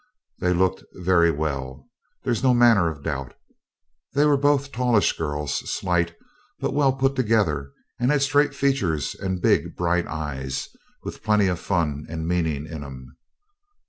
They looked very well, there's no manner of doubt. They were both tallish girls, slight, but well put together, and had straight features and big bright eyes, with plenty of fun and meaning in 'em.